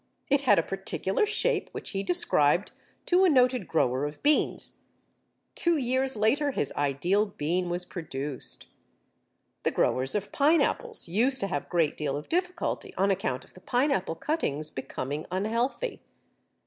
It had a particular shape which he described to a noted grower of beans. Two years later his ideal bean was produced! The growers of pineapples used to have a great deal of difficulty on account of the pineapple cuttings becoming unhealthy.